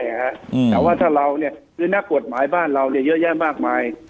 แต่ว่าถ้าเราเนี่ยคือนักกฎหมายบ้านเราเยอะแยะมากมาย